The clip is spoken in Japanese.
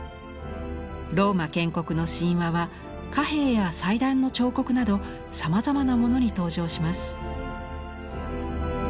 ローマ建国の神話は貨幣や祭壇の彫刻などさまざまなものに登場します。